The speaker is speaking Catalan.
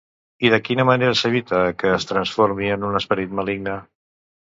I de quina manera s'evita que es transformi en un esperit maligne?